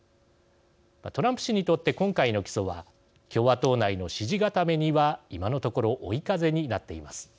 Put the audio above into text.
トランプ氏にとって今回の起訴は共和党内の支持固めには今のところ追い風になっています。